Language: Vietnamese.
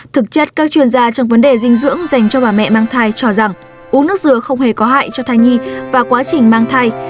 thực chất các chuyên gia trong vấn đề dinh dưỡng dành cho bà mẹ mang thai cho rằng uống nước dừa không hề có hại cho thai nhi và quá trình mang thai